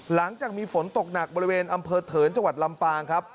หลังจากมีฝนตกหนักบริเวณอำเภอเถินจังหวัดลำปางครับ